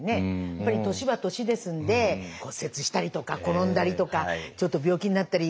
やっぱり年は年ですんで骨折したりとか転んだりとかちょっと病気になったり。